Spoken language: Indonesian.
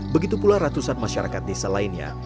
begitu pula ratusan masyarakat desa lainnya